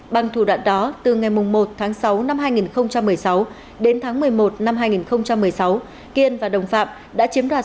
bằng thủ đoạn đó từ ngày một tháng sáu năm hai nghìn một mươi sáu đến tháng một mươi một năm hai nghìn một mươi sáu kiên và đồng phạm đã chiếm đoạt